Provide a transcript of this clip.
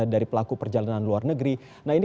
dari pelaku perjalanan luar negeri nah ini